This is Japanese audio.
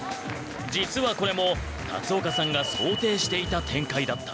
実はこれも龍岡さんが想定していた展開だった。